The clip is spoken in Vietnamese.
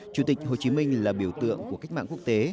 chủ tịch hồ chí minh là biểu tượng của cách mạng quốc tế